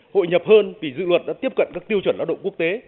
hội nhập hơn vì dự luật đã tiếp cận các tiêu chuẩn lao động quốc tế